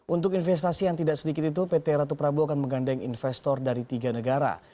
untuk investasi yang tidak sedikit itu pt ratu prabo akan menggandeng investor dari tiga negara